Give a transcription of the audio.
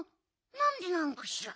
なんでなのかしら？